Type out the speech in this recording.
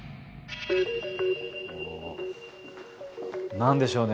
何でしょうね